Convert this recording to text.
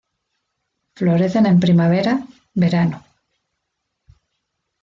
Florecen en primavera, verano.